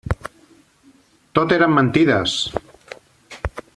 Tot eren mentides!